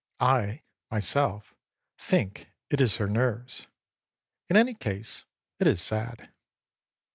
I, myself, think it is her nerves. In any case it is sad.